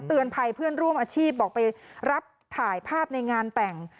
ภัยเพื่อนร่วมอาชีพบอกไปรับถ่ายภาพในงานแต่ง